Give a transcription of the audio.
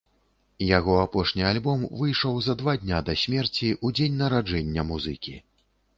Яго апошні альбом выйшаў за два дня да смерці, у дзень нараджэння музыкі.